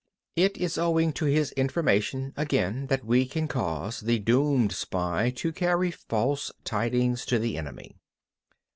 23. It is owing to his information, again, that we can cause the doomed spy to carry false tidings to the enemy.